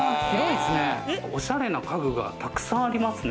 おしゃれな家具がたくさんありますね。